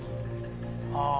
ああ。